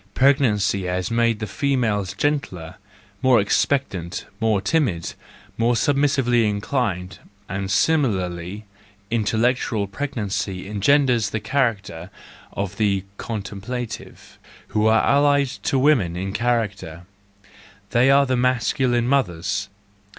Pregnancy has made the females gentler, more expectant, more timid, more submissively inclined ; and similarly intellectual pregnancy en¬ genders the character of the contemplative, who are allied to women in character:—they are the masculine mothers.